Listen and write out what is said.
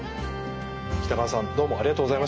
北川さんどうもありがとうございました。